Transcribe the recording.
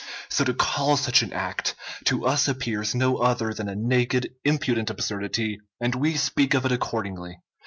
So to call such an act, to us appears no other than a naked, impudent absurdity, and we speak of it accordingly.